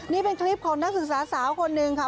นี่เป็นคลิปของนักศึกษาสาวคนหนึ่งค่ะ